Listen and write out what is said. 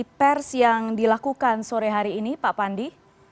konferensi pers yang dilakukan sore hari ini pak pandi